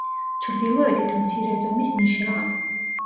ჩრდილოეთით მცირე ზომის ნიშაა.